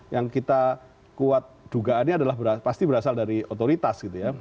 yang kita kuat dugaannya adalah pasti berasal dari otoritas gitu ya